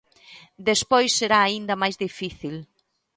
Despois será aínda máis difícil.